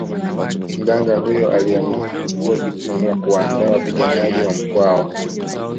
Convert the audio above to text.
Mganga huyo aliamua kuchukua jukumu la kuwaandaa wapiganaji wa Mkwawa